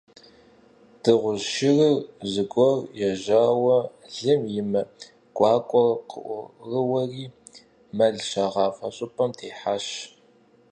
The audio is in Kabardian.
Дыгъужь шырыр зэгуэр ежьауэ лым и мэ гуакӀуэр къыӀурыуэри, мэл щагъавэ пщыӀэм техьащ.